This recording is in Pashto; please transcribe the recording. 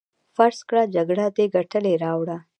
فرض کړه جګړه دې ګټلې راوړه.